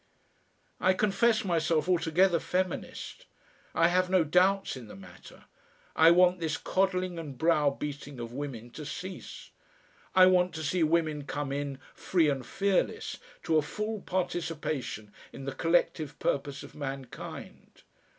I confess myself altogether feminist. I have no doubts in the matter. I want this coddling and browbeating of women to cease. I want to see women come in, free and fearless, to a full participation in the collective purpose of mankind.